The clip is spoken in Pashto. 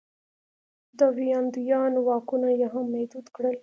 د ویاندویانو واکونه یې هم محدود کړل.